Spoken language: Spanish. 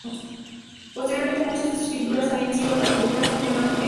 Anteriormente muchas de sus pinturas habían sido atribuidas a Jan van Eyck.